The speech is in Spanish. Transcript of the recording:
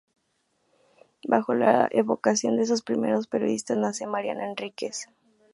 Bajo la evocación de esos primeros "periodistas", nace Mariana Enríquez.